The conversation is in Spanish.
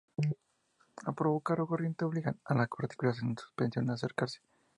Al provocar corriente, obligan a las partículas en suspensión a acercarse.